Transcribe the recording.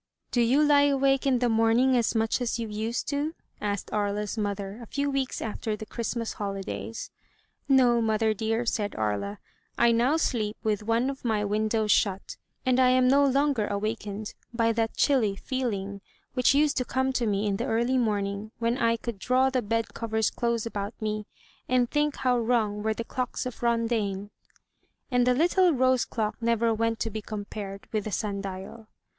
"Do you lie awake in the morning as much as you used to?" asked Aria's mother, a few weeks after the Christmas holidays. "No, mother dear," said Aria; "I now sleep with one of my windows shut, and I am no longer awakened by that chilly feeling which used to come to me in the early morning, when I could draw the bed covers close about me and think how wrong were the clocks of Rondaine." And the little rose clock never went to be compared with the sun dial.